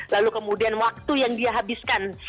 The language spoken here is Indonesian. lalu kemudian waktu yang dia habiskan